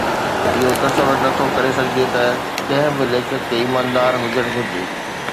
اهو تصور نه ٿو ڪري سگهجي ته ڪنهن به ليکڪ کي ايماندار هجڻ گهرجي